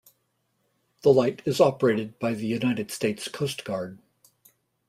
The light is operated by the United States Coast Guard.